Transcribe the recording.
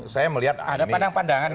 saya melihat ada pandangan pandangan